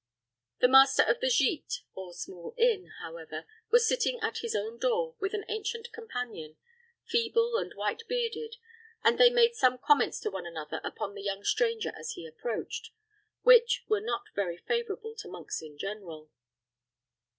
The master of the gite, or small inn, however, was sitting at his own door, with an ancient companion, feeble and white bearded, and they made some comments to one another upon the young stranger as he approached, which were not very favorable to monks in general.